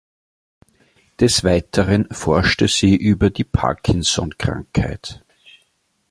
Des Weiteren forschte sie über die Parkinson-Krankheit.